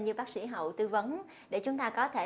như bác sĩ hậu tư vấn để chúng ta có thể